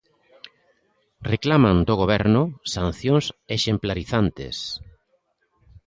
Reclaman do Goberno sancións exemplarizantes.